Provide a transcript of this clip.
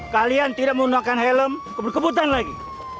kalian tidak menggunakan helm kebutuhan lagi